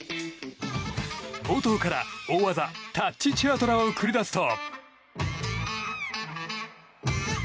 冒頭から大技タッチチェアトラを繰り出すと。